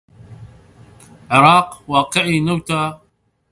واتا هەر پێنج ساڵ تاقانەی ماڵ بووم